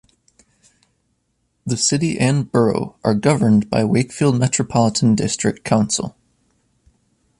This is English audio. The City and borough are governed by Wakefield Metropolitan District Council.